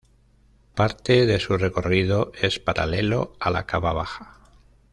Parte de su recorrido es paralelo a la Cava Baja.